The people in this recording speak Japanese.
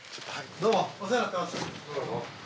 どうも。